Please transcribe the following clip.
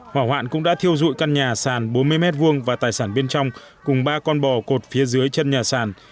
hỏa hoạn cũng đã thiêu dụi căn nhà sàn bốn mươi m hai và tài sản bên trong cùng ba con bò cột phía dưới chân nhà sàn